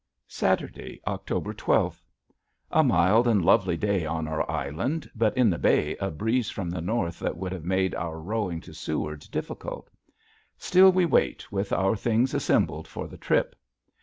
Saturday, October twelfth. A mild and lovely day on our island but in the bay a breeze from the north that would have made our rowing to Seward difficult. Still we wait with our things assembled for the trip.